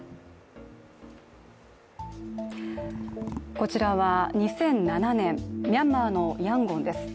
こちらは２００７年、ミャンマーのヤンゴンです。